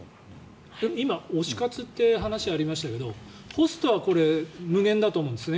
今、推し活という話がありましたがホストはこれ、無限だと思うんですね。